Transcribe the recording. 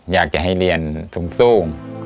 อยากจะให้เรียนสูง